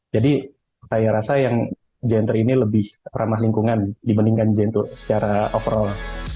jadi saya rasa yang gentry ini lebih ramah lingkungan dibandingkan gentry secara overall